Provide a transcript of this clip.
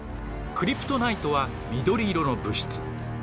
クリプトナイトは緑色の物質。